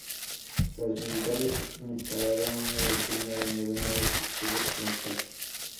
Los militares instalaron una letrina donde alguna vez estuvo el altar.